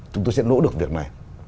chúng tôi sẽ nỗ được việc này